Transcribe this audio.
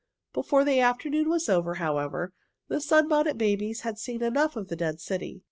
Before the afternoon was over, however, the Sunbonnet Babies had seen enough of the dead city.